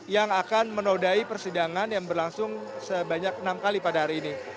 yang akan menodai persidangan yang berlangsung sebanyak enam kali pada hari ini